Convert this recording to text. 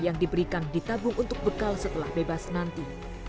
dan diberikan di tabung untuk bekal setelah bebas nanti